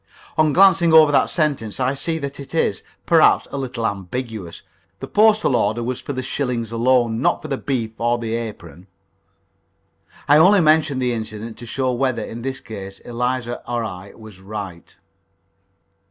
On glancing over that sentence, I see that it is, perhaps, a little ambiguous. The postal order was for the shillings alone not for the beef or the apron. I only mention the incident to show whether, in this case, Eliza or I was right.